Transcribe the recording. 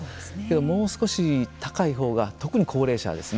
もう少し高い方が特に高齢者ですね。